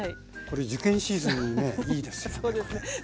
これ受験シーズンにいいですよね。